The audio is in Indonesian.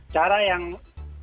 cara yang paling tepat saat ini